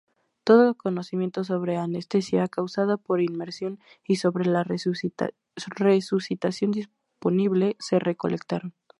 Todo conocimiento sobre anestesia causada por inmersión y sobre la resucitación disponible, se recolectaron.